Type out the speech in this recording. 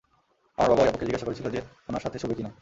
আমার বাবা ওই আপুকে জিজ্ঞাসা করেছিল সে ওনার সাথে শুবে কি না!